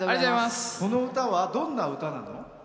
この歌は、どんな歌なの？